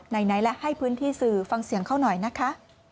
ไหนและให้พื้นที่สื่อฟังเสียงเขาหน่อยนะคะ